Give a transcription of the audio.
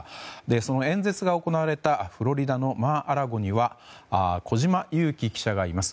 その演説が行われたフロリダのマー・ア・ラゴには小島佑樹記者がいます。